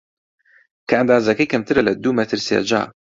کە ئەندازەکەی کەمترە لە دوو مەتر سێجا